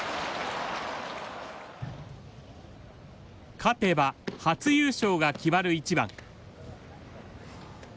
勝てば初優勝が決まる一番。